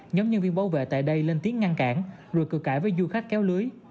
nhóm nhân viên bảo vệ tại đây lên tiếng ngăn cản rượt cửa cải với du khách kéo lưới